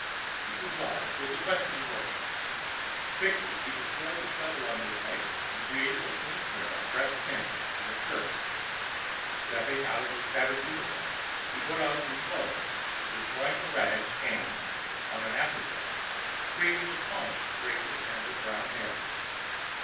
She complied, with a questioning look. Quickly he destroyed the stubble on his face and created a clean pair of pressed pants and a shirt. Stepping out of his tattered uniform, he put on the new clothes, destroyed the rags, and, on an afterthought, created a comb and straightened his tangled brown hair.